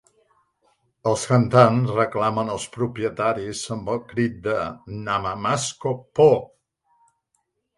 Els cantants reclamen als propietaris amb el crit de Namamasko po!